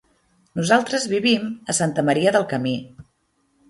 Nosaltres vivim a Santa Maria del Camí.